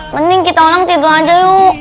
mending kita orang tidur aja yuk